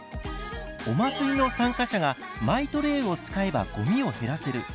お祭りの参加者がマイトレイを使えばごみを減らせる。